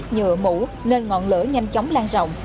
nhựa mũ nên ngọn lửa nhanh chóng lan rộng